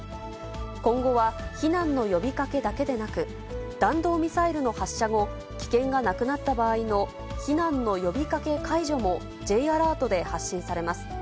今後は避難の呼びかけだけでなく、弾道ミサイルの発射後、危険がなくなった場合の避難の呼びかけ解除も、Ｊアラートで発信されます。